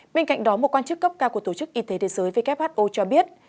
bên cạnh đó một quan chức cấp cao của tổ chức y tế thế giới who cho biết